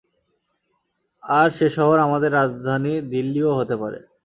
আর সে শহর আমাদের রাজধানী দিল্লি ও হতে পারে।